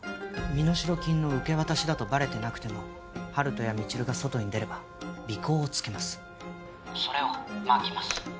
身代金の受け渡しだとバレてなくても温人や未知留が外に出れば尾行をつけますそれをまきます